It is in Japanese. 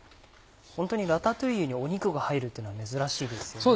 本当にラタトゥイユに肉が入るっていうのは珍しいですよね。